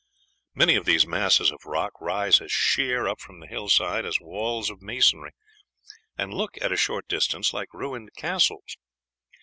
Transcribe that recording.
Many of these masses of rock rise as sheer up from the hillside as walls of masonry, and look at a short distance like ruined castles.